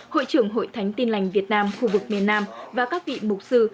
hội trưởng hội thánh tin lành việt nam khu vực miền nam và các vị mục sư